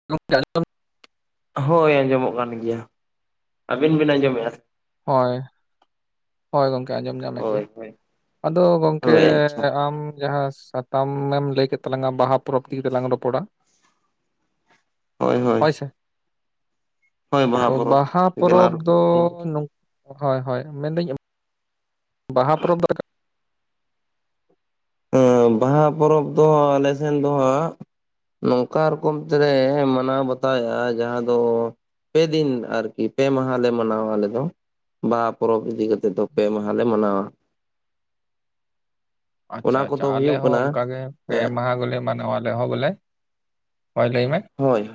[unintelligible] ᱦᱳᱭ ᱟᱸᱡᱚᱢᱚᱜ ᱠᱟᱱ ᱜᱮᱭᱟ ᱟᱹᱵᱤᱱ ᱵᱤᱱ ᱟᱸᱡᱚᱢᱮᱫ-ᱟ ᱥᱮ ᱦᱳᱭ ᱦᱚᱳᱭ ᱜᱚᱢᱠᱮ ᱟᱸᱡᱚᱢ ᱧᱟᱢᱮᱫ ᱜᱮ ᱦᱳᱭ ᱦᱳᱭ ᱟᱫᱚ ᱜᱚᱢᱠᱮ ᱦᱳᱭ ᱟᱪᱪᱷᱟ ᱟᱢ ᱡᱟᱦᱟᱸ ᱥᱟᱛᱟᱢᱮᱢ ᱞᱟᱹᱭ ᱠᱮᱫ ᱛᱟᱞᱟᱝᱟ ᱵᱟᱦᱟ ᱯᱚᱨᱚᱵᱽ ᱤᱫᱤ ᱠᱟᱛᱮᱞᱟᱝ ᱨᱚᱯᱚᱲᱟ᱾ ᱦᱳᱭ ᱦᱳᱭ ᱦᱚᱭ ᱥᱮ ᱦᱳᱭ ᱚ ᱯᱚᱨᱚᱵᱽ ᱵᱟᱦᱟ ᱯᱚᱨᱚᱵᱽ ᱜᱮᱞᱟᱝ ᱫᱚ ᱨᱚᱯᱚᱲ ᱛᱮᱦᱮᱧ ᱦᱳᱭ ᱦᱳᱭ ᱢᱮᱱᱫᱟᱹᱧ ᱵᱟᱦᱟ ᱯᱚᱨᱚᱵᱽ ᱫᱚ ᱵᱟᱦᱟ ᱯᱚᱨᱚᱵᱽ ᱫᱚ ᱟᱞᱮ ᱥᱮᱱ ᱫᱚ ᱦᱟᱸᱜ ᱱᱚᱝᱠᱟ ᱨᱚᱠᱚᱢ ᱛᱮᱞᱮ ᱢᱟᱱᱟᱣ ᱵᱟᱛᱟᱣ-ᱟ ᱡᱟᱦᱟᱸ ᱫᱚ᱾ ᱯᱮ ᱫᱤᱱ ᱟᱨᱠᱤ ᱯᱮ ᱢᱟᱦᱟᱞᱮ ᱢᱟᱱᱟᱣᱟ ᱟᱞᱮ ᱫᱚ᱾ ᱵᱟᱦᱟ ᱯᱚᱨᱚᱵᱽ ᱤᱫᱤ ᱠᱟᱛᱮᱫ ᱫᱚ ᱯᱮ ᱢᱟᱦᱟᱞᱮ ᱢᱟᱱᱟᱣᱟ᱾ ᱟᱪᱪᱷᱟ ᱚᱱᱟ ᱟᱪᱪᱷᱟ ᱠᱚᱫᱚ ᱟᱞᱮ ᱦᱩᱭᱩᱜ ᱦᱚᱸ ᱠᱟᱱᱟ ᱚᱱᱠᱟᱟᱜ ᱜᱮ ᱯᱮ ᱮᱸᱜ ᱢᱟᱦᱟ ᱜᱮᱞᱮ ᱢᱟᱱᱟᱣᱟ ᱟᱞᱮ ᱦᱚᱸ ᱵᱚᱞᱮ ᱦᱚᱭ ᱞᱟᱹᱭ ᱢᱮ᱾ ᱦᱳᱭᱭ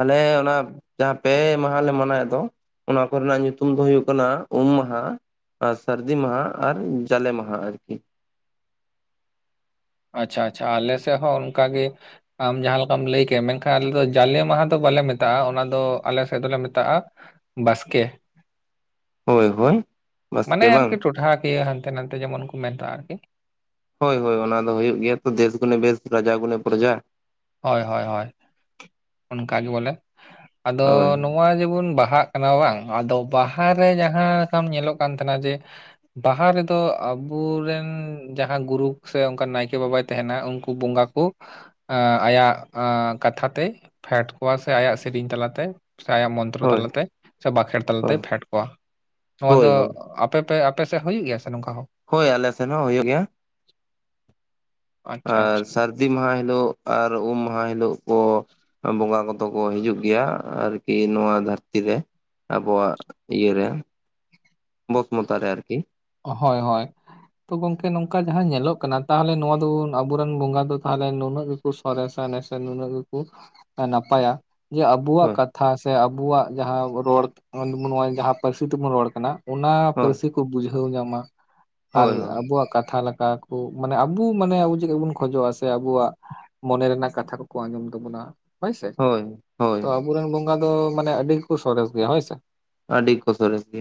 ᱟᱞᱮ ᱚᱱᱟ ᱡᱟᱦᱟᱸ ᱯᱮ ᱢᱟᱦᱟᱟᱞᱮ ᱢᱟᱱᱟᱣᱮᱫ ᱫᱚ᱾ ᱚᱱᱟ ᱠᱚᱨᱮᱱᱟᱜ ᱧᱩᱛᱩᱢ ᱫᱚ ᱦᱩᱭᱩᱜ ᱠᱟᱱᱟ ᱩᱢ ᱢᱟᱦᱟ ᱟᱨ ᱥᱟᱹᱨᱫᱤ ᱢᱟᱦᱟ ᱟᱨ ᱡᱟᱞᱮ ᱢᱟᱦᱟ ᱟᱨᱠᱤ᱾ ᱟᱪᱪᱷᱟ ᱟᱪᱪᱷᱟ ᱟᱞᱮ ᱥᱮᱫ ᱦᱚᱸ ᱚᱱᱠᱟᱜᱮ ᱟᱢ ᱡᱟᱦᱟᱸ ᱞᱮᱠᱟᱢ ᱞᱟᱹᱭ ᱠᱮ ᱢᱮᱱᱠᱷᱟᱱ ᱟᱞᱮ ᱫᱚ ᱡᱟᱞᱮ ᱢᱟᱦᱟ ᱫᱚ ᱵᱟᱞᱮ ᱢᱮᱛᱟᱜ-ᱟ ᱚᱱᱟ ᱫᱚ ᱟᱞᱮ ᱥᱮᱫ ᱫᱚᱞᱮ ᱢᱮᱛᱟᱜ-ᱟ᱾ ᱵᱟᱥᱠᱮ ᱦᱳᱭ ᱦᱳᱭ ᱢᱟᱱᱮ ᱵᱟᱥᱠᱮ ᱵᱟᱝ ᱟᱨᱠᱤ ᱴᱚᱴᱷᱟ ᱠᱤᱭᱟᱹ ᱦᱟᱱ ᱦᱟᱱᱛᱮ ᱱᱟᱛᱮ ᱡᱮᱢᱚᱱ ᱠᱚ ᱢᱮᱛᱟᱜᱼᱟ ᱟᱨᱠᱤ ᱦᱳᱭ ᱦᱳᱭ ᱚᱱᱟ ᱫᱚ ᱦᱩᱭᱩᱜ ᱜᱮᱭᱟ ᱛᱚ ᱫᱮᱥ ᱜᱩᱱᱮ ᱵᱮᱥ ᱨᱟᱡᱟ ᱜᱚᱱᱮ ᱯᱨᱚᱡᱟ ᱦᱳᱭ ᱦᱳᱭ ᱦᱳᱭ ᱚᱱᱠᱟ ᱜᱮ ᱵᱚᱞᱮ ᱟᱫᱚ ᱦᱳᱭ ᱱᱚᱣᱟ ᱡᱮᱢᱚᱱ ᱵᱟᱦᱟᱜ ᱠᱟᱱᱟ ᱵᱟᱝ ᱟᱫᱚ ᱵᱟᱦᱟᱨ ᱨᱮ ᱡᱟᱦᱟᱸ ᱞᱮᱠᱟᱢ ᱧᱮᱞᱚᱜ ᱠᱟᱱ ᱛᱟᱦᱮᱱᱟ ᱡᱮ ᱵᱟᱦᱟ ᱨᱮᱫᱚ ᱟᱵᱚᱨᱮᱱ ᱡᱟᱦᱟᱸ ᱜᱩᱨᱩ ᱥᱮ ᱚᱱᱠᱟᱱ ᱱᱟᱭᱠᱮ ᱵᱟᱵᱟᱭ ᱛᱟᱦᱮᱱᱟ ᱩᱱᱠᱩ ᱵᱚᱸᱜᱟ ᱳ ᱟᱭᱟᱜ ᱠᱟᱛᱷᱟ ᱛᱮᱭ ᱯᱷᱮᱰ ᱠᱚᱣᱟ ᱥᱮ ᱟᱭᱟᱜ ᱥᱮᱨᱮᱧ ᱛᱟᱞᱟᱛᱮ ᱥᱮ ᱟᱭᱟᱜ ᱢᱚᱱ ᱦᱳᱭ ᱛᱟᱞᱟᱛᱮ ᱥᱮ ᱵᱟᱸᱠᱷᱮᱲ ᱦᱳᱭ ᱛᱟᱞᱟᱛᱮᱭ ᱯᱷᱮᱰ ᱠᱚᱣᱟ ᱱᱚᱣᱟ ᱦᱳᱭ ᱫᱚ ᱦᱳᱭ ᱛᱚᱛᱚ ᱟᱯᱮᱥᱮᱫ ᱦᱩᱭᱩᱜ ᱜᱮᱭᱟ ᱥᱮ ᱱᱚᱝᱠᱟ ᱦᱚᱸ᱾ ᱦᱳᱭ ᱟᱞᱮ ᱥᱮᱱ ᱦᱚᱸ ᱦᱩᱭᱩᱜ ᱜᱮᱭᱟ ᱟᱪᱪᱷᱟ ᱟᱨ ᱟᱪᱪᱷᱟ ᱥᱟᱹᱨᱫᱤ ᱢᱟᱦᱟ ᱦᱤᱞᱳᱜ ᱟᱨ ᱩᱢ ᱢᱟᱦᱟ ᱦᱤᱞᱳ ᱠᱚ ᱵᱚᱸᱜᱟ᱾ ᱛᱚ ᱠᱚ ᱦᱤᱡᱩᱜ ᱜᱮᱭᱟ ᱟᱨᱠᱤ ᱱᱚᱣᱟ ᱫᱷᱟᱹᱨᱛᱤ ᱨᱮ ᱟᱵᱚᱣᱟᱜ ᱤᱭᱟᱹᱨᱮ᱾ ᱵᱚᱥᱢᱚᱛᱟ ᱨᱮ ᱟᱨᱠᱤ᱾ ᱦᱚᱭ ᱦᱚᱭ ᱛᱚ ᱜᱚᱝᱠᱮ ᱱᱚᱝᱠᱟ ᱡᱟᱦᱟᱸ ᱧᱮᱞᱚᱜ ᱠᱟᱱᱟ ᱛᱟᱦᱚᱞᱮ ᱱᱚᱣᱟ ᱫᱚ ᱟᱵᱩᱨᱮᱱ ᱵᱚᱸᱜᱟ ᱫᱚ ᱛᱟᱦᱚᱞᱮ ᱱᱩᱱᱟᱹᱜ ᱥᱚᱨᱮᱥᱟ ᱱᱮᱥᱮ ᱱᱩᱱᱟᱹᱜ ᱜᱮᱠᱩ ᱱᱟᱯᱟᱭᱟ᱾ ᱡᱮ ᱟᱵᱩᱣᱟᱜ ᱦᱳᱭ ᱠᱟᱛᱷᱟ ᱥᱮ ᱟᱵᱩᱣᱟᱜ ᱡᱟᱦᱟᱸ ᱨᱚᱲ ᱡᱟᱦᱟᱸ ᱯᱟᱹᱨᱥᱤ ᱛᱮᱵᱩᱱ ᱨᱚᱲ ᱠᱟᱱᱟ᱾ ᱚᱱᱟ ᱦᱳᱭ ᱯᱟᱹᱨᱥᱤ ᱠᱚ ᱵᱩᱡᱷᱟᱹᱣ ᱧᱟᱢᱟ ᱟᱨ ᱦᱳᱭ ᱦᱳᱭ ᱟᱵᱚᱣᱟᱜ ᱠᱟᱛᱷᱟ ᱞᱮᱠᱟ ᱠᱩ ᱢᱟᱱᱮ ᱟᱵᱩ ᱢᱟᱱᱮ ᱟᱵᱚ ᱪᱮᱫᱠᱟᱵᱩᱱ ᱠᱷᱚᱡᱚᱜᱼᱟ ᱥᱮ ᱟᱵᱩᱣᱟᱜ ᱢᱚᱱᱮ ᱨᱮᱱᱟᱜ ᱠᱟᱛᱷᱟ ᱠᱚᱠᱚ ᱟᱸᱡᱚᱢ ᱛᱟᱵᱚᱱᱟ᱾ ᱦᱳᱭᱥᱮ ᱦᱳᱭ ᱦᱳᱭ ᱛᱚ ᱟᱵᱚᱨᱮᱱ ᱵᱚᱸᱜᱟ ᱫᱚ ᱢᱟᱱᱮ ᱟᱹᱰᱤ ᱜᱮᱠᱚ ᱥᱚᱨᱮᱥ ᱜᱮᱭᱟ ᱦᱳᱭ ᱥᱮ ᱾ ᱟᱹᱰᱤ ᱠᱚ ᱥᱚᱨᱮᱥ ᱜᱮ᱾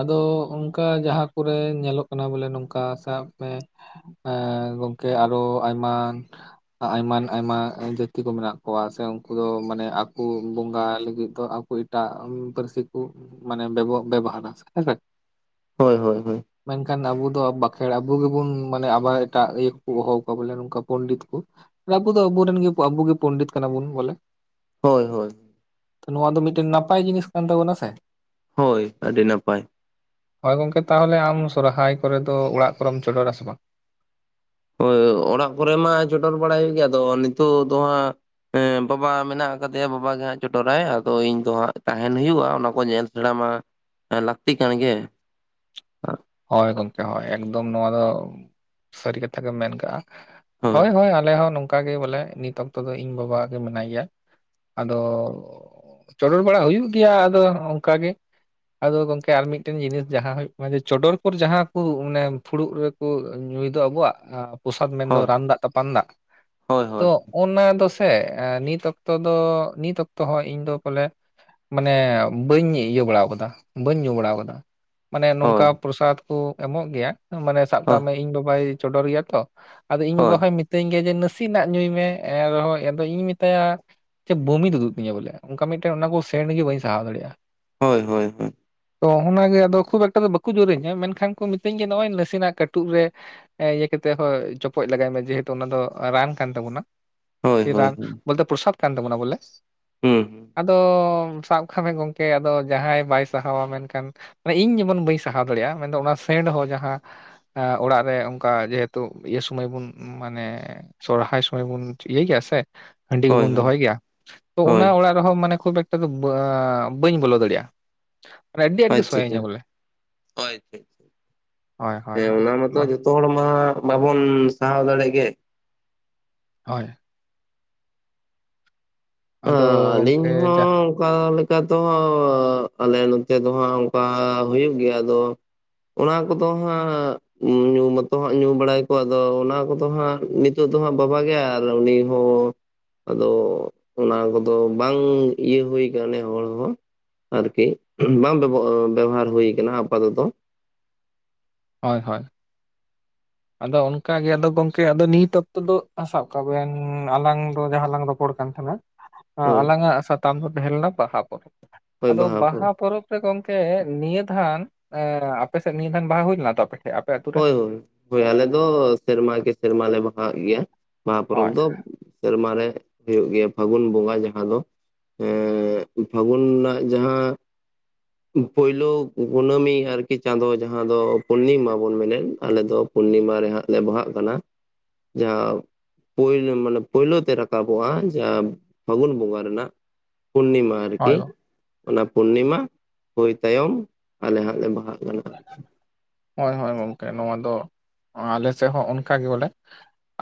ᱟᱫᱚ ᱚᱱᱠᱟ ᱡᱟᱦᱟᱸ ᱠᱩᱨᱮ ᱧᱮᱞᱚᱜ ᱠᱟᱱᱟ ᱵᱚᱞᱮ ᱱᱚᱝᱠᱟ ᱥᱟᱵ ᱢᱮ ᱮᱸ ᱜᱚᱝᱠᱮ ᱟᱨᱚ ᱟᱭᱢᱟᱱ ᱟᱭᱢᱟᱱ ᱟᱭᱢᱟ ᱡᱟᱹᱛᱤ ᱠᱚ ᱢᱮᱱᱟᱜ ᱠᱚᱣᱟ ᱥᱮ ᱩᱱᱠᱩ ᱫᱚ ᱢᱟᱱᱮ ᱟᱠᱚ ᱵᱚᱸᱜᱟ ᱞᱟᱹᱜᱤᱫ ᱫᱚ ᱟᱠᱚ ᱮᱴᱟᱜ ᱩᱸ ᱯᱟᱹᱨᱥᱤ ᱠᱩ ᱢᱟᱱᱮ ᱵᱮᱵᱚ-ᱵᱮᱵᱚᱦᱟᱨᱟ ᱦᱮᱸᱥᱮ? ᱦᱳᱭ ᱦᱳᱭ ᱦᱳᱭ ᱢᱮᱱᱠᱷᱟᱱ ᱟᱵᱚ ᱫᱚ ᱵᱟᱸᱠᱷᱮᱬ ᱟᱵᱚ ᱜᱮᱵᱚᱱ ᱢᱟᱱᱮ ᱟᱵᱟᱨ ᱮᱴᱟᱜ ᱤᱭᱟᱹ ᱠᱚ ᱦᱚᱦᱚ ᱠᱚᱣᱟ ᱵᱚᱞᱮ ᱱᱚᱝᱠᱟ ᱯᱚᱱᱰᱤᱛ ᱠᱚ ᱟᱵᱩ ᱫᱚ ᱟᱵᱩᱨᱮᱱ ᱜᱮ ᱟᱵᱩ ᱜᱮ ᱯᱚᱱᱰᱤᱛ ᱠᱟᱱᱟ ᱵᱩᱱ ᱵᱚᱞᱮ᱾ ᱦᱳᱭ ᱦᱳᱭ ᱱᱚᱣᱟ ᱫᱚ ᱢᱤᱫᱴᱮᱱ ᱱᱟᱯᱟᱭ ᱡᱤᱱᱤᱥ ᱠᱟᱱ ᱛᱟᱵᱚᱱᱟ ᱥᱮ᱾ ᱦᱳᱭ ᱟᱹᱰᱤ ᱱᱟᱯᱟᱭ᱾ ᱦᱳᱭ ᱜᱚᱝᱠᱮ ᱛᱟᱦᱚᱞᱮ ᱟᱢ ᱥᱚᱨᱦᱟᱭ ᱠᱚᱨᱮ ᱫᱚ ᱚᱲᱟᱜ ᱠᱚᱨᱮᱢ ᱪᱚᱰᱚᱨ ᱟᱥᱮ ᱵᱟᱝ? ᱦᱳᱭ ᱚᱲᱟᱜ ᱠᱚᱨᱮ ᱢᱟ ᱪᱚᱰᱚᱨ ᱵᱟᱲᱟᱭ ᱦᱩᱭᱩᱜ ᱜᱮᱭᱟ ᱟᱫᱚ ᱱᱤᱛᱳᱜ ᱫᱚ ᱦᱟᱸᱜ ᱦᱮᱸ ᱵᱟᱵᱟ ᱢᱮᱱᱟᱜ ᱟᱠᱟᱫᱮᱭᱟ ᱵᱟᱵᱟ ᱜᱮ ᱦᱟᱸᱜ ᱪᱚᱴᱚᱨᱟᱭ ᱟᱫᱚ ᱤᱧ ᱫᱚ ᱦᱟᱸᱜ ᱛᱟᱦᱮᱱ ᱦᱩᱭᱩᱜᱼᱟ ᱚᱱᱟ ᱠᱚ ᱧᱮᱞ ᱚᱱᱟᱢᱟ ᱞᱟᱹᱠᱛᱤ ᱠᱟᱱ ᱜᱮ᱾ ᱦᱳᱭ ᱜᱚᱝᱠᱮ ᱦᱳᱭ ᱮᱠᱫᱚᱢ ᱱᱚᱣᱟ ᱫᱚ ᱥᱟᱹᱨᱤ ᱠᱟᱛᱷᱟ ᱜᱮᱢ ᱢᱮᱱ ᱠᱟᱜᱼᱟ᱾ ᱦᱳᱭ ᱦᱳᱭ ᱟᱞᱮ ᱦᱚᱸ ᱱᱚᱝ ᱠᱟ ᱜᱮ ᱵᱚᱞᱮ ᱱᱤᱛ ᱚᱠᱛᱚ ᱫᱚ ᱤᱧ ᱵᱟᱵᱟ ᱜᱮ ᱢᱮᱱᱟᱭ ᱜᱮᱭᱟ, ᱟᱫᱚ ᱪᱚᱰᱚᱨ ᱵᱟᱲᱟ ᱦᱩᱭᱩᱜ ᱜᱮᱭᱟ ᱟᱫᱚ ᱚᱝᱠᱟ ᱜᱮ᱾ ᱟᱫᱚ ᱜᱚᱝᱠᱮ ᱟᱨ ᱢᱤᱫᱴᱮᱱ ᱡᱤᱱᱤᱥ ᱡᱟᱦᱟ ᱦᱳᱭᱳᱜ ᱠᱟᱱᱟ ᱡᱮ ᱪᱚᱰᱚᱨ ᱠᱚᱨᱮ ᱡᱟᱦᱟᱸ ᱠᱩ ᱢᱟᱱᱮ ᱯᱷᱩᱲᱩᱜ ᱨᱮᱠᱚ ᱧᱩᱭ ᱫᱚ ᱟᱵᱚᱣᱟᱜ ᱟ ᱯᱚᱥᱟᱫ ᱢᱮᱱᱫᱚ ᱦᱳᱭ ᱨᱟᱱ ᱫᱟᱜ ᱛᱟᱯᱟᱱ ᱫᱟᱜ ᱦᱳᱭ ᱛᱚ ᱦᱳᱭ ᱚᱱᱟ ᱫᱚ ᱥᱮ ᱱᱤᱛ ᱚᱠᱛᱚ ᱫᱚ ᱱᱤᱛ ᱚᱠᱛᱚ ᱦᱚᱸ ᱤᱧ ᱫᱚ ᱯᱚᱞᱮ ᱢᱟᱱᱮ ᱵᱟᱹᱧ ᱤᱭᱟᱹ ᱵᱟᱲᱟ ᱟᱠᱟᱫᱟ ᱵᱟᱹᱧ ᱧᱩ ᱵᱟᱲᱟ ᱟᱠᱟᱫᱟ᱾ ᱢᱟᱱᱮ ᱱᱚᱝᱠᱟ ᱦᱳᱭ ᱯᱨᱚᱥᱟᱫ ᱠᱩ ᱮᱢᱚᱜ ᱜᱮᱭᱟ ᱢᱟᱱᱮ ᱥᱟᱵ ᱠᱟᱜ ᱦᱳᱭ ᱢᱮ ᱤᱧ ᱵᱟᱵᱟᱭ ᱪᱚᱰᱚᱨ ᱜᱮᱭᱟ ᱛᱚ᱾ ᱟᱫᱚ ᱦᱳᱭ ᱤᱧ ᱦᱳᱭ ᱵᱟᱵᱟ ᱦᱚᱭ ᱢᱤᱛᱟᱹᱧ ᱜᱮᱭᱟ ᱡᱮ ᱱᱟᱥᱤ ᱱᱟᱜ ᱧᱩᱭ ᱢᱮ ᱮᱨᱮᱦᱚᱸ ᱟᱫᱚ ᱤᱧ ᱢᱮᱛᱟᱭᱟ ᱡᱮ ᱵᱩᱢᱤ ᱛᱩᱫᱩᱜ ᱛᱤᱧᱟᱹ ᱵᱚᱞᱮ ᱚᱱᱠᱟ ᱢᱤᱫᱴᱮᱱ ᱚᱱᱟ ᱠᱚ ᱥᱮᱱᱴ ᱜᱮ ᱵᱟᱹᱧ ᱥᱟᱦᱟᱣ ᱫᱟᱲᱮᱜᱼᱟ᱾ ᱦᱳᱭ ᱦᱳᱭ ᱦᱳᱭ ᱛᱚ ᱚᱱᱟᱜᱮ ᱟᱫᱚ ᱠᱷᱩᱵ ᱮᱠᱴᱟ ᱫᱚ ᱵᱟᱠᱚ ᱡᱳᱨ ᱮᱧᱟ ᱢᱮᱱᱠᱷᱟᱱ ᱠᱚ ᱢᱤᱛᱟᱹᱧ ᱜᱮ ᱱᱚᱜᱼᱚᱭ ᱱᱟᱥᱮᱱᱟᱜ ᱠᱟᱹᱴᱩᱵ ᱨᱮ ᱮ ᱤᱭᱟᱹ ᱠᱟᱹᱛᱮ ᱦᱚᱸ ᱪᱚᱯᱚᱡ ᱞᱮᱜᱟᱭ ᱢᱮ ᱡᱮᱦᱮᱛᱩ ᱚᱱᱟ ᱫᱚ ᱨᱟᱱ ᱠᱟᱱ ᱛᱟᱵᱩᱱᱟ᱾ ᱦᱳᱭ ᱦᱳᱭ ᱨᱟᱱ ᱦᱩᱸ ᱵᱚᱞᱛᱮ ᱯᱨᱚᱥᱟᱫ ᱠᱟᱱ ᱛᱟᱵᱚᱱᱟ ᱵᱚᱞᱮ ᱟᱫᱚ ᱥᱟᱵ ᱠᱟᱜ ᱢᱮ ᱜᱚᱝ ᱠᱮ ᱟᱫᱚ ᱡᱟᱦᱟᱸᱭ ᱵᱟᱭ ᱥᱟᱦᱟᱣᱟ ᱢᱮᱱᱠᱷᱟᱱ ᱢᱟᱱᱮ ᱤᱧ ᱡᱮᱢᱚᱱ ᱵᱟᱹᱧ ᱪᱟᱦᱟᱣ ᱫᱟᱲᱮᱭᱟᱜᱼᱟ ᱢᱮᱱᱫᱚ ᱚᱱᱟ ᱥᱮᱱᱴ ᱦᱚᱸ ᱡᱟᱦᱟᱸ ᱚᱲᱟᱜ ᱨᱮ ᱚᱱᱠᱟ ᱡᱮᱦᱮᱛᱩ ᱤᱭᱟᱹ ᱥᱚᱢᱚᱭ ᱵᱚᱱ ᱢᱟᱱᱮ ᱥᱚᱨᱦᱟᱭ ᱥᱚᱢᱚᱭ ᱵᱚᱱ ᱤᱭᱟᱹᱭᱟ ᱥᱮ ᱦᱟᱺᱰᱤ ᱦᱳᱭ ᱜᱮᱵᱚᱱ ᱦᱳᱭ ᱫᱚᱦᱚᱭ ᱜᱮᱭᱟ ᱛᱚ᱾ ᱦᱳᱭ ᱚᱱᱟ ᱚᱲᱟᱜ ᱨᱮᱦᱚᱸ ᱢᱟᱱᱮ ᱠᱷᱩᱵ ᱮᱠᱴᱟ ᱫᱚ ᱵᱟᱹᱧ ᱵᱚᱞᱚ ᱫᱟᱲᱮᱭᱟᱜᱼᱟ᱾ ᱢᱟᱱᱮ ᱟᱹᱰᱤ ᱟᱸᱴ ᱟᱹᱭ ᱜᱮ ᱥᱚᱭᱤᱧᱟ ᱪᱤᱜᱪᱚ ᱵᱚᱞᱮ ᱟᱹᱭ ᱪᱤᱪᱚ ᱦᱳᱭ ᱦᱳᱭ ᱮᱸ ᱦᱳᱭ ᱚᱱᱟ ᱢᱟᱛᱚ ᱟᱫᱚ ᱡᱚ ᱛᱚ ᱦᱚᱲ ᱢᱟ ᱵᱟᱵᱚᱱ ᱥᱟᱦᱟᱣ ᱫᱟᱲᱮᱜ ᱜᱮ᱾ ᱦᱟᱭ᱾ ᱟᱫᱚ ᱟᱻᱞᱤᱧ ᱜᱚᱝᱠᱮ ᱦᱚᱸ ᱡᱟ ᱚᱠᱟ ᱞᱮᱠᱟ ᱛᱮᱢᱟᱻ ᱟᱞᱮ ᱱᱚᱛᱮ ᱫᱚ ᱦᱟᱸᱜ ᱚᱱᱠᱟ ᱦᱩᱭᱩᱜ ᱜᱮᱭᱟ ᱟᱫᱚ ᱚᱱᱟ ᱠᱚᱫᱚ ᱦᱟᱸᱜ ᱧᱩ ᱢᱟᱛᱚ ᱦᱟᱸᱜ ᱧᱩ ᱵᱟᱲᱟᱭ ᱠᱚ ᱟᱫᱚ ᱚᱱᱟ ᱠᱚᱫᱚ ᱦᱟᱸᱜ ᱱᱤᱛᱚᱜ ᱫᱚ ᱦᱟᱸᱜ ᱵᱟᱵᱟ ᱜᱮ ᱟᱨ ᱩᱱᱤ ᱦᱚ ᱟᱫᱚ ᱚᱱᱟ ᱠᱚᱫᱚ ᱵᱟᱝ ᱤᱭᱟᱹ ᱦᱳᱭ ᱱᱮ ᱦᱚᱲ ᱦᱚᱸ ᱾ ᱟᱨᱠᱤ ᱵᱟᱝ ᱵᱮᱵᱚ ᱵᱮᱵᱷᱟᱟᱨ ᱦᱳᱭ ᱠᱟᱱᱟ ᱟᱯᱟ ᱛᱚᱛᱚ᱾ ᱦᱳᱭ ᱦᱳᱭ᱾ ᱟᱫᱚ ᱚᱱᱠᱟ ᱜᱮ, ᱟᱫᱚ ᱜᱚᱝᱠᱮ ᱟᱫᱚ ᱱᱤᱛ ᱚᱠᱛᱚ ᱫᱚ ᱥᱟᱵ ᱠᱟᱜ ᱵᱮᱱ ᱟᱞᱟᱝ ᱫᱚ ᱡᱟᱦᱟᱸ ᱞᱟᱝ ᱨᱚᱯᱚᱲ ᱠᱟᱱ ᱛᱟᱦᱮᱸᱱᱟ᱾ ᱦᱳᱭ ᱟᱞᱟᱝᱟᱜ ᱥᱟᱛᱟᱢ ᱫᱚ ᱛᱟᱦᱮᱸ ᱞᱮᱱᱟ ᱵᱟᱦᱟ ᱯᱚᱨᱚᱵᱽ᱾ ᱟᱫᱚ ᱵᱟᱦᱟ ᱯᱚᱨᱚᱵᱽ ᱮ ᱜᱚᱢᱠᱮ ᱱᱤᱭᱟᱹ ᱫᱷᱟᱱ ᱟᱹ ᱟᱯᱮᱥᱮᱫ ᱱᱤᱭᱟᱹ ᱫᱟᱱ ᱵᱟᱦᱟ ᱦᱩᱭ ᱞᱮᱱᱟ ᱛᱟᱯᱮ ᱦᱳᱭ, ᱦᱳᱭ ᱟᱞᱮ ᱫᱚ ᱥᱮᱨᱢᱟ ᱠᱮ ᱥᱮᱨᱢᱟ ᱞᱮ ᱵᱟᱦᱟᱣᱟᱜ ᱜᱮᱭᱟ ᱵᱟᱦᱟ ᱯᱚᱨᱚᱵᱽ ᱦᱳᱭ ᱫᱚ ᱥᱮᱨᱢᱟᱨᱮ ᱦᱩᱭᱩᱜ ᱜᱮᱭᱟ, ᱯᱷᱟᱹᱜᱩᱱ ᱵᱚᱸᱜᱟ ᱡᱟᱦᱟᱸ ᱫᱚ, ᱯᱷᱟᱹᱜᱩᱱ ᱨᱮᱱᱟᱜ ᱡᱟᱦᱟᱸ ᱯᱩᱭᱞᱩ ᱠᱩᱱᱟᱹᱢᱤ ᱟᱨᱠᱤ ᱪᱟᱸᱫᱚᱳ ᱡᱟᱦᱟᱸ ᱫᱚ ᱯᱩᱨᱱᱤᱢᱟ ᱵᱚᱱ ᱢᱮᱱᱮᱫ ᱟᱞᱮ ᱫᱚ ᱯᱩᱨᱱᱤᱢᱟ ᱨᱮ ᱦᱟᱸᱜ ᱞᱮ ᱵᱟᱦᱟᱜ ᱠᱟᱱᱟ᱾ ᱡᱟᱦᱟᱸ ᱯᱩᱭᱞᱩ ᱢᱟᱱᱮ ᱯᱩᱭᱞᱩ ᱛᱮ ᱨᱟᱠᱟᱵᱚᱜᱼᱟ, ᱡᱟᱸᱦᱟ ᱯᱷᱟᱹᱜᱩᱱ ᱵᱚᱸᱜᱟ ᱨᱮᱱᱟᱜ ᱯᱩᱨᱱᱤᱢᱟ᱾ ᱟᱨᱠᱤ ᱦᱳᱭ ᱚᱱᱟ ᱯᱩᱨᱱᱤᱢᱟ ᱦᱩᱭ ᱛᱟᱭᱚᱢ ᱟᱞᱮ ᱦᱟᱸᱜ ᱞᱮ ᱵᱟᱦᱟᱜ ᱠᱟᱱᱟ᱾ ᱦᱚᱭ ᱦᱚᱭ ᱜᱚᱢᱠᱮ ᱱᱚᱣᱟ ᱫᱚ ᱟᱞᱮ ᱥᱮᱫ ᱦᱚᱸ ᱚᱱᱠᱟ ᱜᱮ ᱵᱚᱞᱮ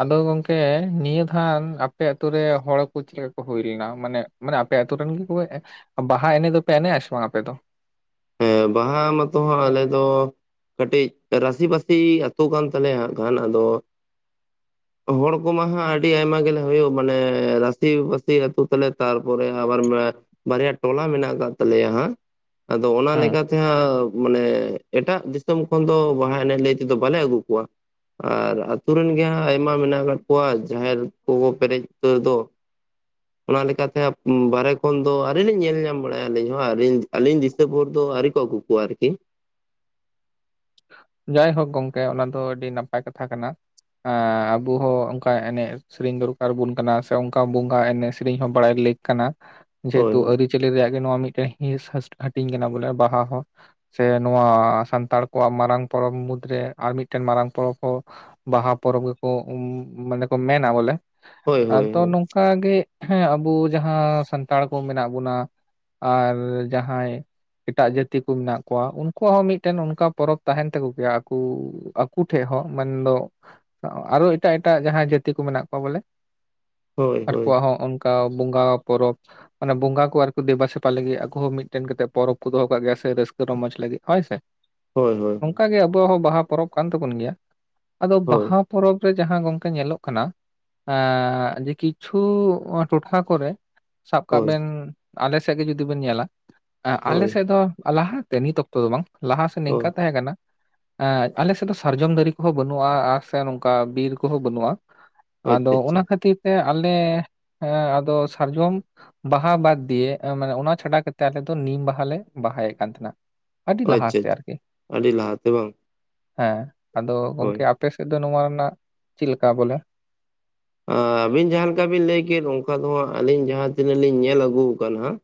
ᱟᱫᱚ ᱜᱚᱝᱠᱮ ᱱᱤᱭᱟᱹ ᱫᱷᱟᱣ ᱟᱯᱮ ᱟᱛᱩᱨᱮ ᱦᱚᱲ ᱠᱚ ᱪᱮᱫ ᱞᱮᱠᱟ ᱠᱚ ᱦᱩᱭ ᱞᱮᱱᱟ, ᱢᱟᱱᱮ ᱢᱟᱱᱮ ᱟᱯᱮ ᱟᱹᱛᱩ ᱨᱤᱱ ᱠᱚ ᱵᱟᱦᱟ ᱮᱱᱮᱡ ᱫᱚ ᱯᱮ ᱮᱱᱮᱡᱼᱟ ᱥᱮ ᱵᱟᱝ ᱟᱯᱮ ᱫᱚ? ᱦᱮᱸ ᱵᱟᱦᱟ ᱢᱟᱛᱚ ᱦᱚᱸ ᱟᱞᱮ ᱫᱚ ᱠᱟᱹᱴᱤᱡ ᱨᱟᱥᱤᱵᱟᱹᱥᱤ ᱟᱹᱛᱩ ᱠᱟᱱ ᱛᱟᱞᱮᱭᱟᱦᱟᱸᱜ ᱟᱠᱷᱟᱱ, ᱟᱫᱚ [inaudible] ᱦᱚᱲ ᱠᱚᱢᱟ ᱦᱟᱜ ᱟᱹᱰᱤ ᱟᱭᱢᱟ ᱜᱮᱞᱮ ᱦᱩᱭᱩᱜ ᱢᱟᱱᱮ ᱨᱟᱥᱤ ᱵᱟᱥᱤ ᱟᱹᱛᱩ ᱛᱟᱞᱮ᱾ ᱛᱟᱨᱯᱚᱨᱮ ᱟᱵᱟᱨ ᱵᱟᱨᱭᱟ ᱴᱚᱞᱟ ᱢᱮᱱᱟᱜ ᱟᱠᱟᱫ ᱛᱟᱞᱮᱭᱟ ᱦᱟᱜ᱾ ᱟᱫᱚ ᱚᱱᱟ ᱦᱮᱸ ᱞᱮᱠᱟᱛᱮ ᱡᱟᱦᱟᱸ ᱢᱟᱱᱮ ᱮᱴᱟᱜ ᱫᱤᱥᱚᱢ ᱠᱷᱚᱱ ᱫᱚ ᱵᱟᱦᱟ ᱮᱱᱮᱡ ᱞᱟᱹᱭ ᱛᱮᱫᱚ ᱵᱟᱞᱮ ᱟᱹᱜᱩ ᱠᱚᱣᱟ᱾ ᱟᱨ ᱟᱛᱩᱨ ᱨᱮᱱ ᱜᱮ ᱟᱭᱢᱟ ᱢᱮᱱᱟᱜ ᱟᱠᱟᱫ ᱠᱚᱣᱟ, ᱡᱟᱦᱮᱨ ᱠᱚ ᱯᱮᱨᱮᱡ ᱩᱛᱟᱹᱨ ᱫᱚ ᱚᱱᱟ ᱞᱮᱠᱟᱛᱮ ᱵᱟᱨᱦᱮ ᱠᱷᱚᱱ ᱫᱚ ᱟᱹ ᱞᱤᱧ ᱧᱮᱞ ᱧᱟᱢ ᱵᱟᱲᱟᱭᱟ ᱟᱹᱞᱤᱧ ᱦᱚᱸ ᱟᱹᱞᱤ ᱟᱹᱞᱤᱧ ᱵᱷᱳᱨ ᱫᱚ ᱟᱹᱣᱨᱤ ᱠᱚ ᱟᱹᱜᱩ ᱠᱚᱣᱟ ᱟᱨᱠᱤ᱾ ᱡᱟᱭᱦᱚᱠ ᱜᱚᱢᱠᱮ ᱚᱱᱟ ᱫᱚ ᱟᱹᱰᱤ ᱱᱟᱯᱟᱭ ᱠᱟᱛᱷᱟ ᱠᱟᱱᱟ᱾ ᱮᱸᱻᱟᱵᱚ ᱦᱚᱸ ᱚᱱᱠᱟ ᱮᱱᱮᱡ ᱥᱮᱨᱮᱧ ᱫᱚᱨᱠᱟᱨᱵᱚᱱ ᱠᱟᱱᱟ, ᱥᱮ ᱚᱱᱠᱟ ᱵᱚᱸᱜᱟ ᱮᱱᱮᱡ ᱥᱮᱨᱮᱧ ᱦᱚᱸ ᱵᱟᱲᱟᱭ ᱞᱮ ᱠᱟᱱᱟ, ᱦᱳᱭ ᱡᱮᱦᱮᱛᱩ ᱟᱹᱨᱤ ᱟᱹᱨᱤᱪᱟᱹᱞᱤ ᱨᱮᱭᱟᱜ ᱜᱮ ᱱᱚᱣᱟ ᱢᱤᱫᱴᱮᱱ ᱦᱤᱸᱥ ᱦᱟᱹᱴᱤᱧ ᱠᱟᱱᱟ ᱵᱚᱞᱮ ᱵᱟᱦᱟ ᱦᱚᱸ ᱥᱮ ᱱᱚᱣᱟ ᱥᱟᱱᱛᱟᱲ ᱟᱠᱚᱣᱟᱜ ᱢᱟᱨᱟᱝ ᱯᱚᱨᱚᱵᱽ ᱢᱩᱫᱽ ᱨᱮ ᱟᱨ ᱢᱤᱫᱴᱮᱱ ᱢᱟᱨᱟᱝ ᱯᱚᱨᱚᱵᱽ ᱦᱚᱸ ᱵᱟᱦᱟ ᱯᱚᱨᱚᱵᱽ ᱜᱮᱠᱚ ᱢᱟᱱᱮ ᱠᱚ ᱢᱮᱱᱟ ᱵᱚᱞᱮ᱾ ᱦᱳᱭ ᱦᱳᱭ ᱟᱫᱚ ᱦᱳᱭ ᱱᱚᱝᱠᱟ ᱚᱱᱠᱟᱜᱮᱸ ᱟᱵᱚ ᱡᱟᱦᱟᱸ ᱥᱟᱱᱛᱟᱲ ᱠᱚ ᱢᱮᱱᱟᱜ ᱵᱚᱱᱟ, ᱟᱨ ᱡᱟᱦᱟᱸᱭ ᱮᱴᱟᱜ ᱡᱟᱹᱛᱤ ᱠᱚ ᱢᱮᱱᱟᱜ ᱠᱚᱣᱟ, ᱩᱱᱠᱩᱣᱟᱜ ᱦᱚᱸ ᱢᱤᱫᱴᱮᱱ ᱚᱱᱠᱟ ᱯᱚᱨᱚᱵᱽ ᱛᱟᱦᱮᱱ ᱛᱟᱠᱚ ᱜᱮᱭᱟ ᱟᱠ ᱟᱠᱚ ᱴᱷᱮᱡ ᱦᱚᱸ ᱢᱮᱱᱫᱚ ᱟᱨᱚ ᱮᱴᱟᱜ-ᱮᱴᱟᱜ ᱡᱟᱦᱟᱸᱭ ᱡᱟᱹᱛᱤ ᱠᱚ ᱢᱮᱱᱟᱜ ᱠᱚᱣᱟ ᱵᱚᱞᱮ ᱦᱳᱭ ᱦᱳᱭ ᱟᱠᱚᱣᱟᱜ ᱦᱚᱸ ᱚᱱᱠᱟ ᱵᱚᱸᱜᱟ ᱯᱚᱨᱚᱵᱽ ᱢᱟᱱᱮ ᱵᱚᱸᱜᱟ ᱠᱚ ᱟᱨᱠᱤ ᱫᱮᱵᱟ ᱥᱮᱵᱟ ᱞᱟᱹᱜᱤᱫ ᱟᱠᱚᱦ ᱦᱚᱸ ᱢᱤᱫᱴᱮᱱ ᱠᱟ ᱠᱟᱛᱮᱫ ᱯᱚᱨᱚᱵᱽ ᱠᱚ ᱫᱚᱦᱚ ᱠᱟᱜ ᱜᱮᱭᱟ ᱥᱮ ᱨᱟᱹᱥᱠᱟᱹ ᱨᱚᱢᱚᱡ ᱞᱟᱹᱜᱤᱫ ᱦᱚᱭ ᱥᱮ᱾ ᱦᱚᱭ ᱦᱚᱭ, ᱚᱱᱠᱟᱜᱮ ᱟᱵᱚᱣᱟᱜ ᱦᱚᱸ ᱵᱟᱦᱟ ᱯᱚᱨᱚᱵᱽ ᱠᱟᱱ ᱛᱟᱵᱚᱱ ᱜᱮᱭᱟ, ᱟᱫᱚ ᱦᱳᱭ ᱦᱳᱭ ᱵᱟᱦᱟ ᱯᱚᱨᱚᱵᱽ ᱨᱮ ᱡᱟᱦᱟᱸ ᱜᱚᱝᱠᱮ ᱧᱮᱞᱚᱜ ᱠᱟᱱᱟ, ᱮᱸ ᱡᱮ ᱠᱤᱪᱷᱩ ᱴᱚᱴᱷᱟ ᱠᱚᱨᱮ ᱥᱟᱵ ᱠᱟᱜ ᱦᱳᱭ ᱵᱮᱱ ᱟᱞᱮ ᱥᱮᱫ ᱜᱮ ᱡᱩᱫᱤ ᱵᱮᱱ ᱧᱮᱞᱟ, ᱟᱸᱜ ᱟᱞᱮ ᱦᱳᱭ ᱥᱮᱫ ᱫᱚ ᱞᱟᱦᱟᱛᱮ ᱱᱤᱛ ᱚᱠᱛᱚ ᱫᱚ ᱵᱟᱝ ᱞᱟᱦᱟ ᱥᱮᱫ ᱦᱳᱭ ᱱᱤᱝᱠᱟ ᱛᱟᱦᱮᱸ ᱠᱟᱱᱟ, ᱮᱸ ᱟᱞᱮ ᱥᱮᱫ ᱫᱚ ᱥᱟᱨᱡᱚᱢ ᱫᱟᱨᱮ ᱠᱚᱦᱚᱸ ᱵᱟᱹᱱᱩᱜᱼᱟ ᱟᱨ ᱥᱮ ᱱᱚᱝᱠᱟ ᱵᱤᱨ ᱠᱚᱦᱚᱸ ᱵᱟᱹᱱᱩᱜᱼᱟ᱾ ᱟᱫᱚ ᱟᱪᱪᱷᱟ ᱟᱪᱪᱷᱟ ᱚᱱᱟ ᱠᱷᱟᱹᱛᱤᱨ ᱛᱮ ᱟᱞᱮ ᱟᱫᱚ ᱥᱟᱨᱡᱚᱢ ᱵᱟᱦᱟ ᱵᱟᱫ ᱫᱤᱭᱮ, ᱟᱱᱮ ᱚᱱᱟ ᱪᱷᱟᱰᱟ ᱠᱟᱛᱮᱜ ᱟᱞᱮ ᱫᱚ ᱱᱤᱢ ᱵᱟᱦᱟᱞᱮ ᱵᱟᱦᱟᱭᱮᱫ ᱠᱟᱱ ᱛᱟᱦᱮᱸᱱᱟ᱾ ᱟᱪᱷᱟ ᱟᱪᱷᱟ ᱟᱹᱰᱤ ᱞᱟᱦᱟᱛᱮ ᱵᱟᱝ? ᱦᱮᱸ ᱟᱫᱚ ᱦᱳᱭ ᱜᱚᱝᱠᱮ ᱟᱯᱮᱥᱮᱫ ᱫᱚ ᱱᱚᱣᱟ ᱨᱮᱱᱟᱜ ᱪᱮᱫ ᱞᱮᱠᱟ ᱵᱚᱞᱮ ᱟᱹᱵᱤᱱ ᱡᱟᱦᱟᱸ ᱞᱮᱠᱟ ᱵᱤᱱ ᱞᱟᱹᱭ ᱠᱮᱫ ᱚᱱᱠᱟ ᱫᱚ ᱦᱟᱸᱜ ᱟᱹᱞᱤᱧ ᱡᱟᱦᱟᱸ ᱛᱤᱱᱟᱹᱜ ᱞᱤᱧ ᱧᱮᱞ ᱟᱹᱜᱩ ᱟᱠᱟᱱ ᱦᱟᱸᱜ᱾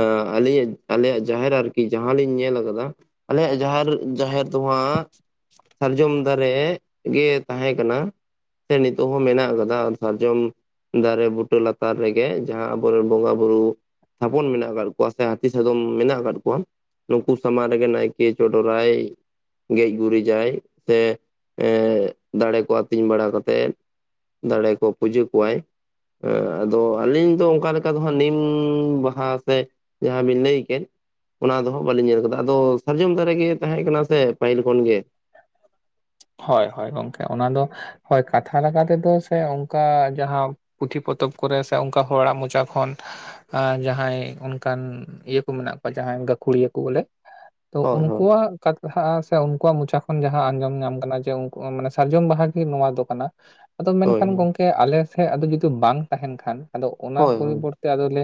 ᱟ ᱟᱞᱤᱧ ᱟᱞᱮᱭᱟᱜ ᱡᱟᱦᱮᱨ ᱟᱨᱠᱤ ᱡᱟᱦᱟᱸ ᱞᱤᱧ ᱧᱮᱞ ᱟᱠᱟᱫᱟ ᱟᱞᱮᱭᱟᱜ ᱡᱟᱦᱟᱨ ᱡᱟᱦᱮᱨ ᱫᱚ ᱦᱟᱸᱜ ᱥᱟᱨᱡᱚᱢ ᱫᱟᱨᱮ ᱜᱮ ᱛᱟᱦᱮᱸᱠᱟᱱᱟ ᱾ ᱥᱮ ᱱᱤᱛᱳᱜ ᱦᱚᱸ ᱢᱮᱱᱟᱜ ᱠᱟᱫᱟ ᱫᱟ ᱥᱟᱨᱡᱚᱢ ᱫᱟᱨᱮ ᱵᱩᱴᱟᱹ ᱞᱟᱛᱟᱨ ᱨᱮᱜᱮ ᱡᱟᱦᱟᱸ ᱟᱵᱚᱨᱮᱱ ᱵᱚᱸᱜᱟ ᱵᱩᱨᱩ ᱛᱷᱟᱯᱚᱱ ᱢᱮᱱᱟᱜ ᱟᱠᱟᱫ ᱠᱚᱣᱟ ᱥᱮ ᱦᱟᱹᱛᱤ ᱥᱟᱫᱚᱢ ᱢᱮᱱᱟᱜ ᱟᱠᱟᱫ ᱠᱚᱣᱟ᱾ ᱱᱩᱠᱩ ᱥᱟᱢᱟᱝ ᱨᱮᱜᱮ ᱱᱟᱭᱠᱮ ᱪᱚᱰᱚ ᱨᱟᱭ᱾ ᱜᱮᱡ ᱜᱩᱨᱤᱡᱟᱭ ᱛᱮ ᱫᱟᱲᱮ ᱠᱚ ᱟᱹᱛᱤᱧ ᱵᱟᱲᱟ ᱠᱟᱛᱮᱜ᱾ ᱫᱟᱲᱮ ᱠᱚ ᱯᱩᱡᱟᱹ ᱠᱚᱣᱟᱭ ᱦᱮᱸ ᱟᱫᱚ ᱟᱹᱞᱤᱧ ᱫᱚ ᱚᱱᱠᱟ ᱞᱮᱠᱟ ᱫᱚ ᱦᱟᱸᱜ ᱱᱤᱢ ᱵᱟᱦᱟ ᱥᱮ ᱡᱟᱦᱟᱸ ᱵᱤᱱ ᱞᱟ. ᱭᱠᱮᱜ ᱚᱱᱟ ᱫᱚ ᱦᱟᱸᱜ ᱵᱟᱹᱞᱤᱧ ᱧᱮᱞ ᱟᱠᱟᱫᱟ ᱟᱫᱚ ᱥᱟᱨᱡᱚᱢ ᱫᱟᱨᱮ ᱜᱮ ᱛᱟᱦᱮᱸ ᱠᱟᱱᱟ ᱥᱮ ᱯᱟᱹᱦᱤᱞ ᱠᱷᱚᱱ ᱜᱮ ᱦᱳᱭ ᱦᱳᱭ ᱜᱚᱝᱠᱮ ᱚᱱᱟ ᱫᱚ ᱦᱳᱭ ᱠᱟᱛᱷᱟ ᱞᱮᱠᱟᱛᱮᱫᱚ ᱥᱮ ᱚᱱᱠᱟ ᱡᱟᱦᱟᱸ, ᱯᱩᱛᱷᱤ ᱯᱚᱛᱚᱵ ᱠᱚᱨᱮ ᱥᱮ ᱚᱱᱠᱟ ᱦᱚᱲᱟᱜ ᱢᱚᱪᱟ ᱠᱷᱚᱱ, ᱟᱨ ᱡᱟᱦᱟᱸᱭ ᱚᱱᱠᱟᱱ ᱤᱭᱟᱹ ᱠᱚ ᱢᱮᱱᱟᱜ ᱠᱚᱣᱟ ᱡᱟᱦᱟᱸᱭ ᱜᱟᱹᱠᱷᱩᱲᱤᱭᱟᱹ ᱠᱚ ᱵᱚᱞᱮ᱾ ᱛᱚ ᱦᱳᱭ ᱩᱱᱠᱩᱣᱟᱜ ᱠᱟᱛᱷᱟ ᱥᱮ ᱩᱱᱠᱩᱣᱟᱜ ᱢᱚᱪᱟ ᱠᱷᱚᱱ ᱡᱟᱦᱟᱸ ᱟᱸᱡᱚᱢ ᱧᱟᱢ ᱠᱟᱱᱟ ᱡᱮ ᱩᱱ ᱥᱟᱨᱡᱚᱢ ᱵᱟᱦᱟ ᱜᱮ ᱱᱚᱣᱟ ᱫᱚ ᱠᱟᱱᱟ ᱾ ᱟᱫᱚ ᱦᱳᱭ ᱢᱮᱱᱠᱷᱟᱱ ᱜᱚᱝᱠᱮ ᱟᱞᱮ ᱥᱮᱫ ᱟᱫᱚ ᱡᱩᱫᱤ ᱵᱟᱝ ᱛᱟᱦᱮᱱ ᱠᱷᱟᱱ ᱟᱫᱚ ᱚᱱᱟ ᱦᱳᱭ ᱦᱳᱭ ᱯᱚᱨᱤᱵᱚᱨᱛᱮ ᱛᱮ ᱟᱫᱚᱞᱮ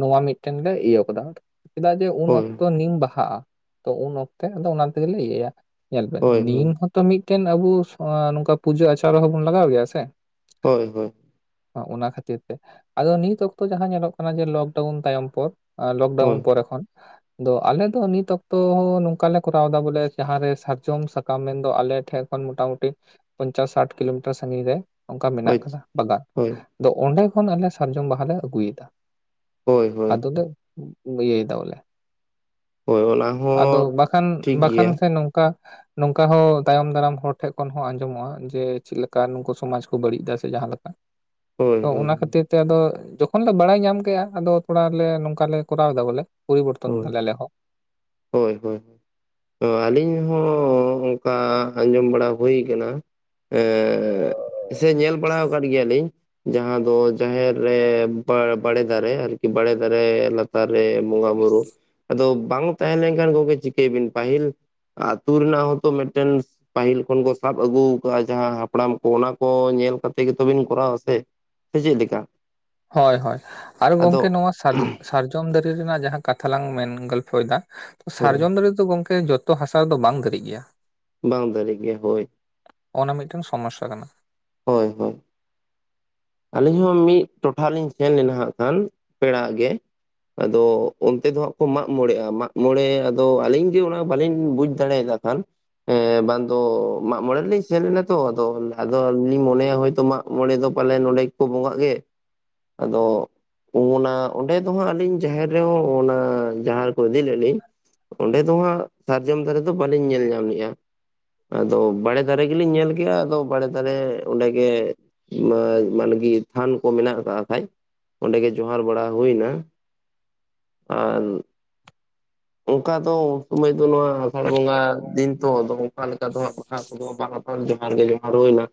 ᱱᱚᱣᱟ ᱢᱤᱫᱴᱮᱱ ᱞᱮ ᱤᱭᱟᱹ ᱠᱟᱫᱟ, ᱪᱮᱫᱟᱜ ᱡᱮ ᱩᱱ ᱦᱳᱭ ᱚᱠᱛᱚ ᱱᱤᱢ ᱵᱟᱦᱟᱜᱼᱟ᱾ ᱛᱚ ᱩᱱ ᱚᱠᱛᱮ ᱟᱫᱚ ᱚᱱᱟ ᱛᱮᱜᱮᱞᱮ ᱤᱭᱟᱹᱭᱟ᱾ ᱧᱮᱞ ᱵᱮᱱ ᱦᱳᱭ ᱱᱤᱢ ᱦᱳᱭ ᱦᱚᱸ ᱛᱚ ᱢᱤᱫᱴᱮᱱ ᱟᱵᱚ ᱱᱚᱝᱠᱟ ᱯᱩᱡᱟᱹ ᱟᱪᱟᱨ ᱨᱮ ᱦᱚᱸᱵᱩᱱ ᱞᱟᱜᱟᱣ ᱜᱮᱭᱟ ᱥᱮ᱾ ᱦᱳᱭ ᱦᱳᱭ ᱚᱱᱟ ᱠᱷᱟᱹᱛᱤᱨ ᱛᱮ ᱟᱫᱚ ᱱᱤᱛ ᱚᱠᱛᱚ ᱡᱟᱦᱟᱸ ᱧᱮᱞᱚᱜ ᱠᱟᱱᱟ ᱡᱮ ᱞᱚᱠᱰᱟᱣᱩᱱ ᱛᱟᱭᱚᱢ ᱯᱚᱨ, ᱦᱳᱭ ᱞᱚᱠᱰᱟᱣᱩᱱ ᱯᱚᱨᱮ ᱠᱷᱚᱱ᱾ ᱫᱚ ᱟᱞᱮ ᱫᱚ ᱱᱤᱛ ᱚᱠᱛᱚ ᱦᱚ ᱱᱚᱝᱠᱟᱞᱮ ᱠᱚᱨᱟᱣ ᱫᱟ ᱵᱚᱞᱮ ᱡᱟᱦᱟᱸᱨᱮ ᱥᱟᱨᱡᱚᱢ ᱥᱟᱠᱟᱢ ᱢᱮᱢ ᱼᱼ ᱛᱚ ᱟᱞᱮ ᱴᱷᱮᱱ ᱠᱷᱚᱱ ᱢᱚᱴᱟ ᱢᱩᱴᱤ ᱯᱚᱧᱪᱟᱥ ᱥᱟᱴ ᱠᱤᱞᱳᱢᱤᱴᱟᱨ ᱥᱟᱹᱜᱤᱧ ᱨᱮ᱾ ᱚᱱᱠᱟ ᱢᱮᱱᱟᱜ ᱦᱳᱭ ᱠᱟᱫᱟ ᱵᱟᱜᱟᱫ ᱟᱫᱚ ᱚᱱᱰᱮ ᱠᱷᱚᱱ ᱟᱞᱮ ᱥᱟᱨᱡᱚᱢ ᱵᱟᱦᱟᱟᱞᱮ ᱟᱹᱜᱩᱭᱮᱫᱟ᱾ ᱦᱳᱭ ᱦᱳᱭ ᱟᱫᱚᱞᱮ ᱤᱭᱟ. ᱭ ᱫᱟ ᱵᱚᱞᱮ ᱦᱳᱭ ᱚᱱᱟ ᱟᱫᱚ ᱦᱚᱸ ᱵᱟᱠᱷᱟᱱ ᱴᱷᱤᱠ ᱵᱟᱠᱷᱟᱱ ᱜᱮᱭᱟ ᱥᱮ ᱱᱚᱝᱠᱟ ᱱᱚᱝᱠᱟ ᱦᱚᱸ ᱛᱟᱭᱚᱢ ᱫᱟᱨᱟᱢ ᱦᱚᱲ ᱴᱷᱮᱜ ᱠᱷᱚᱱ ᱦᱚᱸ ᱟᱸᱡᱚᱢᱚᱜᱼᱟ, ᱡᱮ ᱪᱮᱫᱠᱟ ᱱᱩᱠᱩ ᱥᱚᱢᱟᱡᱽ ᱠᱚ ᱵᱟᱹᱲᱤᱡ ᱫᱟ ᱥᱮ ᱡᱟᱦᱟᱸ ᱞᱮᱠᱟ ᱦᱳᱭ ᱛᱚ ᱦᱳᱭ ᱚᱱᱟ ᱠᱷᱟᱹᱛᱤᱨ ᱛᱮ ᱟᱫᱚ ᱡᱚᱠᱷᱚᱱ ᱞᱮ ᱵᱟᱲᱟᱭ ᱧᱟᱢ ᱠᱮᱫᱼᱟ ᱟᱫᱚ ᱛᱷᱚᱲᱮ ᱞᱮ ᱱᱚᱝᱠᱟ ᱞᱮ ᱠᱚᱨᱟᱣ ᱮᱫᱟ ᱵᱚᱞᱮ᱾ ᱯᱚᱨᱵᱚᱨᱛᱚᱱ ᱫᱟᱞᱮ ᱟᱞᱮ ᱦᱚᱸ᱾ ᱦᱳᱭ ᱦᱳᱭ ᱛᱚ ᱟᱹᱞᱤᱧ ᱦᱚᱸ ᱚᱱᱠᱟ ᱟᱸᱡᱚᱢ ᱵᱟᱲᱟ ᱦᱩᱭ ᱟᱠᱟᱱᱟ᱾ ᱮᱻ ᱥᱮ ᱧᱮᱞ ᱵᱟᱲᱟᱟᱣ ᱟᱠᱟᱫ ᱜᱮᱭᱟᱞᱤᱧ᱾ ᱡᱟᱦᱟᱸ ᱫᱚ ᱡᱟᱦᱮᱨ ᱨᱮ ᱵᱟᱲᱮ ᱫᱟᱨᱮ ᱟᱨᱠᱤ ᱵᱟᱲᱮ ᱫᱟᱨᱮ ᱞᱟᱛᱟᱨ ᱨᱮ ᱵᱚᱸᱜᱟ ᱵᱩᱨᱩ ᱟᱫᱚ ᱵᱟᱝ ᱛᱟᱦᱮᱸ ᱞᱮᱱᱠᱷᱟᱱ ᱜᱚᱢᱠᱮ ᱪᱤᱠᱟᱹᱭ ᱵᱤᱱ ᱯᱟᱹᱦᱤᱞ ᱟᱹᱛᱩ ᱨᱮᱱᱟᱜ ᱦᱚᱸᱛᱚ ᱢᱤᱫᱴᱮᱱ ᱯᱟᱹᱦᱤᱞ ᱠᱷᱚᱱ ᱠᱚ ᱥᱟᱵ ᱟᱹᱜᱩ ᱟᱠᱟᱜᱼᱟ ᱡᱟᱦᱟᱸ ᱦᱟᱯᱲᱟᱢ ᱠᱚ ᱚᱱᱟ ᱠᱚ ᱧᱮᱞ ᱠᱟᱛᱮ ᱜᱮᱛᱚᱵᱤᱱ ᱠᱚᱨᱟᱣᱼᱟ ᱥᱮ ᱥᱮ ᱪᱮᱫ ᱞᱮᱠᱟ ᱦᱳᱭ ᱦᱳᱭ ᱟᱨ ᱟᱫᱚ ᱜᱚᱢᱠᱮ ᱱᱚᱣᱟ ᱥᱟᱨᱡᱚᱢ ᱥᱟᱨᱡᱚᱢ ᱥᱟᱨᱚᱢ ᱫᱟᱨᱮ ᱨᱮᱱᱟᱜ ᱡᱟᱦᱟᱸ ᱠᱟᱛᱷᱟ ᱞᱟᱝ ᱢᱮᱱ ᱜᱚᱞᱯᱷᱚᱭᱮᱫᱟ ᱦᱳᱭ ᱥᱟᱨᱡᱚᱢ ᱫᱟᱨᱮ ᱛᱚ ᱜᱚᱝᱠᱮ ᱡᱚᱛᱚ ᱦᱟᱥᱟ ᱨᱮᱫᱚ ᱵᱟᱝ ᱫᱤᱨᱤᱜ ᱜᱮᱭᱟ ᱵᱟᱝ ᱫᱟᱨᱮᱜ ᱜᱮᱭᱟ ᱦᱳᱭ᱾ ᱚᱱᱟ ᱢᱤᱫᱴᱮᱱ ᱥᱚᱢᱚᱥᱟ ᱠᱟᱱᱟ᱾ ᱦᱳᱭ ᱦᱳᱭ ᱟᱹᱞᱤᱧ ᱦᱚᱸ ᱢᱤᱫ ᱴᱚᱴᱷᱟ ᱞᱤᱧ ᱥᱮᱱ ᱞᱮᱱᱟ ᱦᱟᱸᱜ ᱠᱷᱟᱱ ᱯᱮᱲᱟᱜ ᱜᱮ᱾ ᱟᱫᱚ ᱚᱱᱛᱮ ᱫᱚ ᱦᱟᱸᱜ ᱠᱚ ᱢᱟᱜ ᱢᱚᱬᱮᱜᱼᱟ ᱾ ᱢᱟᱜ ᱢᱚᱬᱮ ᱟᱫᱚ ᱟᱹᱞᱤᱧᱜᱮ ᱚᱱᱟ ᱵᱟᱞᱤᱧ ᱵᱩᱡ ᱪᱟᱲᱮ ᱮᱫᱟ ᱠᱷᱟᱱ ᱮᱸ ᱵᱟᱝ ᱫᱚ ᱢᱟᱜ ᱢᱚᱬᱮ ᱨᱮᱞᱤᱧ ᱥᱮᱱ ᱞᱮᱱᱟ ᱛᱚ, ᱟᱫᱚ ᱟᱞᱤᱧ ᱞᱤᱧ ᱢᱚᱱᱮᱭᱟ ᱦᱚᱭᱛᱚ ᱢᱟᱜ ᱢᱚᱬᱮ ᱫᱚ ᱯᱟᱞᱮᱱ ᱱᱚᱸᱰᱮ ᱜᱮᱠᱚ ᱵᱚᱸᱜᱟᱜ ᱜᱮ, ᱟᱫᱚ ᱚᱱᱟ ᱚᱸᱰᱮ ᱫᱚᱦᱟᱸᱜ ᱟᱹᱞᱤᱧ ᱡᱟᱦᱮᱨ ᱨᱮᱦᱚᱸ ᱚᱱᱟ ᱡᱟᱦᱮᱨᱮ ᱠᱚ ᱤᱫᱤ ᱞᱮᱫ ᱞᱤᱧ ᱚᱸᱰᱮ ᱫᱚ ᱦᱟᱸᱜ ᱥᱟᱨᱡᱚᱢ ᱫᱟᱨᱮ ᱫᱚ ᱵᱟᱹᱞᱤᱧ ᱧᱮᱞ ᱧᱟᱢ ᱞᱮᱼᱟ ᱟᱫᱚ ᱵᱟᱲᱮ ᱫᱟᱨᱮ ᱜᱮᱞᱤᱧ ᱧᱮᱞ ᱠᱮᱜᱼᱟ ᱟᱫᱚ ᱵᱟᱲᱮ ᱫᱟᱨᱮ ᱚᱸᱰᱮ ᱜᱮ [inaudible] ᱢᱟᱱᱜᱮ ᱛᱷᱟᱱ ᱠᱚ ᱢᱮᱱᱟᱜ ᱟᱠᱟᱫ ᱠᱷᱟᱡ ᱚᱸᱰᱮ ᱜᱮ ᱡᱚᱸᱦᱟᱨ ᱵᱟᱲᱟ ᱦᱩᱭᱱᱟ ᱟᱨ ᱚᱱᱠᱟ ᱫᱚ ᱥᱚᱢᱚᱭ ᱫᱚ ᱱᱚᱣᱟ ᱟᱥᱟᱲ ᱵᱚᱸᱜᱟ ᱫᱤᱱ ᱫᱚ ᱚᱱᱠᱟ ᱞᱮᱠᱟ ᱫᱚ ᱦᱟᱸᱜ ᱵᱟᱦᱟ ᱠᱚᱫᱚ [inaudible] ᱡᱚᱦᱟᱨ ᱜᱮ ᱡᱚᱦᱟᱨ ᱦᱩᱭᱱᱟ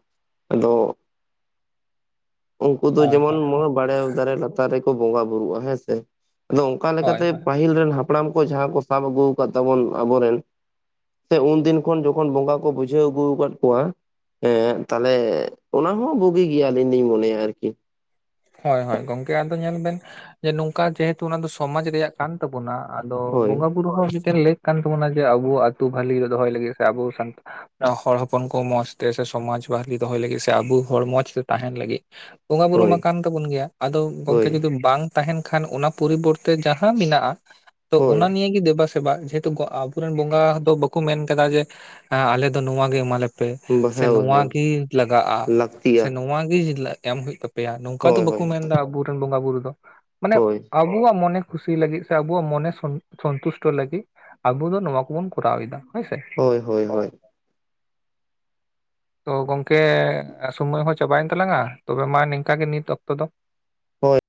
ᱟᱫᱚ ᱩᱱᱠᱩ ᱫᱚ ᱦᱳᱭ ᱡᱮᱢᱚᱱ ᱦᱳᱭ ᱵᱟᱲᱮ ᱫᱟᱨᱮ ᱞᱟᱛᱟᱨ ᱨᱮᱠᱚ ᱵᱚᱸᱜᱟ ᱵᱩᱨᱩᱜᱼᱟ ᱦᱮᱸᱥᱮ ᱟᱫᱚ ᱚᱱᱠᱟ ᱦᱳᱭ ᱞᱮᱠᱟᱛᱮ ᱦᱳᱭ ᱯᱟᱹᱦᱤᱞ ᱨᱮᱱ ᱦᱟᱯᱲᱟᱢ ᱠᱚ ᱡᱟᱦᱟᱸ ᱠᱚ ᱥᱟᱵ ᱟᱹᱜᱩ ᱟᱠᱟᱫ ᱛᱟᱵᱚᱱ ᱟᱵᱚᱨᱮᱱ ᱥᱮ ᱩᱱᱫᱤᱱ ᱠᱷᱚᱱ ᱡᱚᱠᱷᱚᱱ ᱵᱚᱸᱜᱟ ᱠᱚ ᱵᱩᱡᱷᱟᱹᱣ ᱟᱹᱜᱩ ᱟᱠᱟᱫ ᱠᱚᱣᱟ ᱦᱮᱸ ᱛᱟᱞᱮ ᱚᱱᱟ ᱦᱚᱸ ᱵᱩᱜᱤ ᱜᱮᱭᱟ ᱟᱹᱞᱤᱧ ᱞᱤᱧ ᱢᱚᱱᱮᱭᱟ ᱟᱨᱠᱤ ᱦᱳᱭ ᱦᱳᱭ ᱜᱚᱝᱠᱮ ᱟᱫᱚ ᱧᱮᱞ ᱵᱮᱱ ᱡᱮ ᱱᱚᱝᱠᱟ ᱡᱮᱦᱮᱛᱩ ᱚᱱᱟ ᱫᱚ ᱥᱚᱢᱟᱡ ᱨᱮᱭᱟᱜ ᱠᱟᱱ ᱛᱟᱵᱚᱱᱟ ᱟᱫᱚ ᱦᱳᱭ ᱵᱚᱸᱜᱟ ᱵᱩᱨᱩ ᱦᱚᱸ ᱟᱰᱤᱜᱟᱱ ᱞᱮᱠ ᱠᱟᱱ ᱛᱟᱵᱚᱱᱟ ᱡᱮ ᱟᱵᱚ ᱟᱹᱛᱩ ᱵᱷᱟᱞᱤ ᱨᱮ ᱫᱚᱦᱚᱭ ᱞᱟᱹᱜᱤᱫ ᱥᱮ ᱟᱵᱚ ᱥᱟᱱᱛᱲ ᱦᱚᱲ ᱦᱚᱯᱚᱱ ᱠᱚ ᱢᱚᱸᱡᱛᱮ ᱥᱮ ᱥᱚᱢᱟᱡ ᱵᱷᱟᱜᱤ ᱫᱚᱦᱚᱭ ᱞᱟᱹᱜᱤᱫ ᱥᱮ ᱟᱵᱚ ᱦᱚᱲ ᱢᱚᱸᱡᱛᱮ ᱛᱟᱦᱮᱱ ᱞᱟᱹᱜᱤᱫ ᱵᱚᱸᱜᱟ ᱵᱩᱨᱩ ᱢᱟ ᱦᱳᱭ ᱠᱟᱱ ᱛᱟᱵᱚᱱ ᱜᱮᱭᱟ ᱟᱫᱚ ᱜᱚᱝᱠᱮ ᱦᱳᱭ ᱡᱩᱫᱤ ᱵᱟᱝ ᱛᱟᱦᱮᱸᱱ ᱠᱷᱟᱱ ᱚᱱᱟ ᱯᱚᱨᱤᱵᱚᱨᱛᱮ ᱡᱟᱦᱟᱸ ᱢᱮᱱᱟᱜᱼᱟ ᱛᱚ ᱦᱳᱭ ᱚᱱᱟ ᱱᱤᱭᱮ ᱫᱮᱵᱟ ᱥᱮ ᱵᱟᱝ ᱡᱮᱦᱮᱛᱩ ᱟᱵᱚᱨᱮᱱ ᱵᱚᱸᱜᱟ ᱫᱚ ᱵᱟᱠᱚ ᱢᱮᱱ ᱟᱠᱟᱫᱟ ᱡᱮ ᱟᱞᱮ ᱫᱚ ᱱᱚᱶᱟ ᱜᱮ ᱮᱢᱟᱞᱮ ᱥᱮ ᱦᱮᱸ ᱦᱳᱭ ᱱᱚᱣᱟ ᱦᱳᱭ ᱜᱮ ᱞᱟᱜᱟᱜᱼᱟ ᱞᱟᱹᱠᱛᱤᱭᱟ ᱥᱮ ᱱᱚᱣᱟ ᱜᱮ ᱮᱢ ᱦᱳᱭᱳᱜ ᱛᱟᱯᱮᱭᱟ ᱚᱱᱠᱟ ᱫᱚ ᱦᱳᱭ ᱦᱳᱭ ᱵᱟᱠᱚ ᱢᱮᱱ ᱮᱫᱟ ᱟᱵᱚᱨᱮᱱ ᱵᱚᱸᱜᱟ ᱵᱩᱨᱩ ᱫᱚ ᱢᱟᱱᱮ ᱦᱳᱭ ᱟᱵᱚᱣᱟᱜ ᱢᱚᱱᱮ ᱠᱩᱥᱤ ᱞᱟᱹᱜᱤᱫ ᱥᱮ ᱟᱵᱚᱣᱟᱜ ᱢᱚᱱᱮ ᱥᱚᱱᱛᱩᱥᱴᱚ ᱞᱟᱹᱜᱤᱫ ᱟᱵᱚ ᱫᱚ ᱱᱚᱣᱟ ᱠᱚᱵᱩᱱ ᱠᱚᱨᱟᱣ ᱮᱟ ᱦᱮᱸᱥᱮ ᱦᱳᱭ ᱦᱳᱭ ᱦᱳᱭ ᱛᱚ ᱜᱚᱝᱠᱮ ᱥᱳᱢᱚᱭ ᱦᱚᱸ ᱪᱟᱵᱟᱭᱮᱱ ᱛᱟᱞᱟᱝᱼᱟ ᱛᱚᱵᱮ ᱢᱟ ᱱᱤᱝᱠᱟᱜᱮ ᱱᱤᱛ ᱚᱠᱛᱚ ᱫᱚ ᱦᱳᱭ